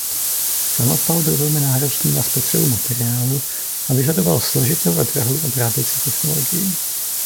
Samopal byl velmi náročný na spotřebu materiálu a vyžadoval složitou a drahou obráběcí technologii.